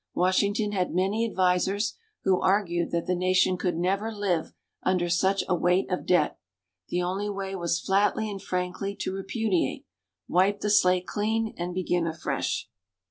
Washington had many advisers who argued that the Nation could never live under such a weight of debt the only way was flatly and frankly to repudiate wipe the slate clean and begin afresh.